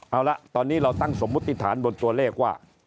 เอาละตอนนี้เราตั้งสมมุติฐานบนตัวเลขว่า